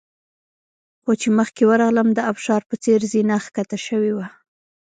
خو چې مخکې ورغلم د ابشار په څېر زینه ښکته شوې وه.